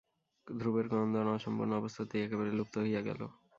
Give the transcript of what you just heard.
ধ্রুবের ক্রন্দন অসম্পূর্ণ অবস্থাতেই একেবারে লুপ্ত হইয়া গেল।